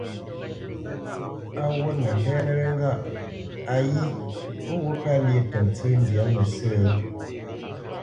Á ghwûʼnə mbɛ́nə́ wê ŋgâʼ:‹‹ayí ó ghwût pə́ lyé tə ntsə́ ndyâ mə sə̂?